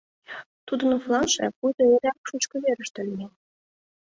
Тудын флангше пуйто эреак «шучко верыште лийын».